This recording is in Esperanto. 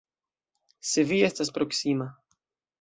Se vi estas proksima.